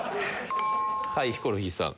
はいヒコロヒーさん。